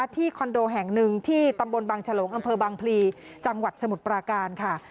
คอนโดแห่งหนึ่งที่ตำบลบางฉลงอำเภอบางพลีจังหวัดสมุทรปราการค่ะ